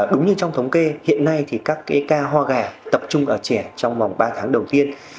đúng như trong thống kê hiện nay các kế ca hò gà tập trung ở trẻ trong vòng ba tháng đầu tiên